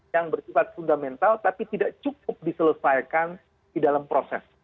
yang bersifat fundamental tapi tidak cukup diselesaikan di dalam proses